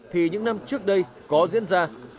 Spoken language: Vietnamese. thì những năm trước đây có diễn ra